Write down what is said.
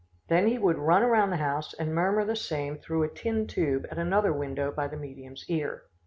Then he would run around the house and murmur the same through a tin tube at another window by the medium's ear.